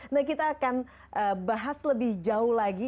nah kita akan bahas lebih jauh lagi